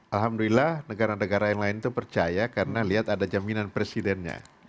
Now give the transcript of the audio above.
alhamdulillah negara negara yang lain itu percaya karena lihat ada jaminan presidennya